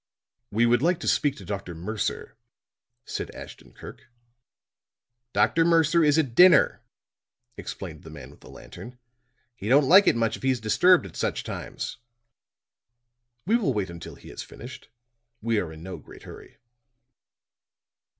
"We would like to speak to Dr. Mercer," said Ashton Kirk. "Dr. Mercer is at dinner," explained the man with the lantern. "He don't like it much if he's disturbed at such times." "We will wait until he has finished; we are in no great hurry."